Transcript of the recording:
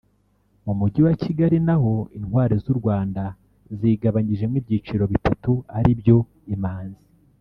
mu mujyi wa Kigali naho Intwali z’u Rwanda zigabanyijemo ibyiciro bitatu ari byo Imanzi